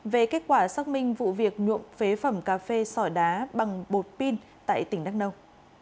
về kết quả xác minh vụ việc nhuộm phế phẩm cà phê sỏi đá bằng bột pin tại tỉnh đắk nông